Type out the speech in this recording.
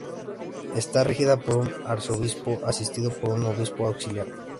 Está regida por un arzobispo asistido por un obispo auxiliar.